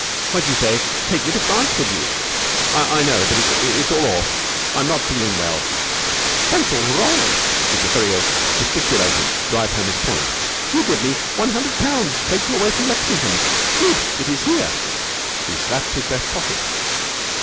"But you say take me to France with you " "I know. But it's all off. I'm not feeling well." "But it's all wrong." M. Feriaud gesticulated to drive home his point. "You give me one hundred pounds to take you away from Lexingham. Good. It is here." He slapped his breast pocket.